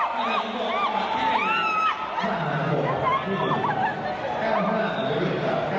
สวัสดีครับ